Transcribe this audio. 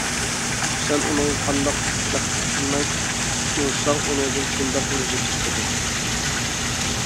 سەن ئۇنىڭغا قانداق زەخمەك ئۇرساڭ، ئۇنىڭدىن شۇنداق مۇزىكا چىقىدۇ.